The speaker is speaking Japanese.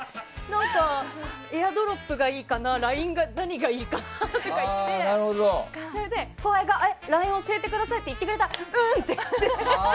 エアドロップがいいかなＬＩＮＥ何がいいかなとか言ってそれで後輩がＬＩＮＥ教えてくださいって言ってくれたら、うん！って。